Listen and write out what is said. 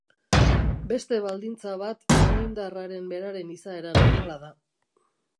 Beste baldintza bat lanindarraren beraren izaera normala da.